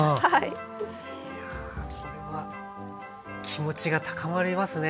いやこれは気持ちが高まりますね。